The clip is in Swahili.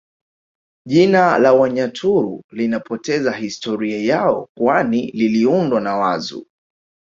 Jina la Wanyaturu linapoteza historia yao kwani liliundwa na Wazu